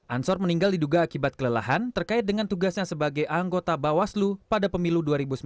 ansor meninggal diduga akibat kelelahan terkait dengan tugasnya sebagai anggota bawaslu pada pemilu dua ribu sembilan belas